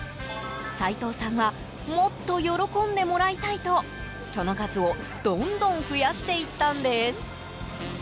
齋藤さんはもっと喜んでもらいたいとその数をどんどん増やしていったんです。